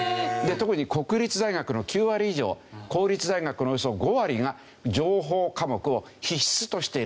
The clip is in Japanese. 特に国立大学の９割以上公立大学のおよそ５割が情報科目を必須としている。